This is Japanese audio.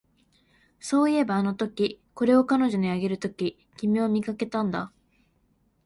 そういえば、あのとき、これを彼女にあげるとき、君を見かけたんだ